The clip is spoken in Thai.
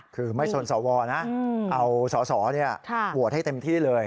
คือไม่สนสวนะเอาสอสอโหวตให้เต็มที่เลย